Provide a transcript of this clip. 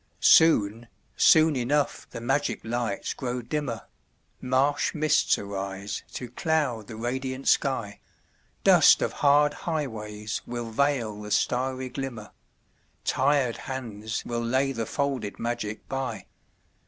Soon, soon enough the magic lights grow dimmer, Marsh mists arise to cloud the radiant sky, Dust of hard highways will veil the starry glimmer, Tired hands will lay the folded magic by.